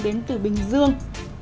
đến từ bình dương